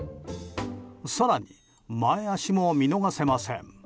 更に、前脚も見逃せません。